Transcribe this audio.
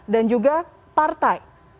dan juga partai